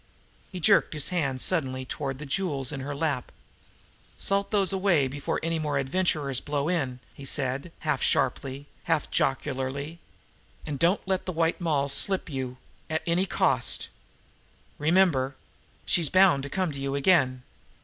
He jerked his hand suddenly toward the jewels in her lap. "Salt those away before any more adventurers blow in!" he said, half sharply, half jocularly. "And don't let the White Moll slip you at any cost. Remember! She's bound to come to you again.